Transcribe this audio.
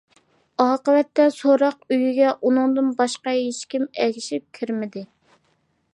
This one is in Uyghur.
ئاقىۋەتتە سوراق ئۆيىگە ئۇنىڭدىن باشقا ھېچكىم ئەگىشىپ كىرمىدى.